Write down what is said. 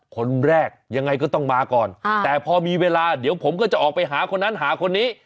คนแรกยังไงก็ต้องมาก่อนแต่พอมีเวลาเดี๋ยวผมก็จะออกไปหาคนนั้นหาคนนี้